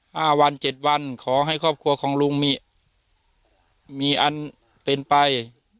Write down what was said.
ห้าวันเจ็ดวันขอให้ครอบครัวของลุงมีมีอันเป็นไป